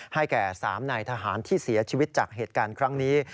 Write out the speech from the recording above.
แก่๓นายทหารที่เสียชีวิตจากเหตุการณ์ครั้งนี้